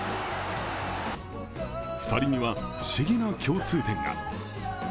２人には不思議な共通点が。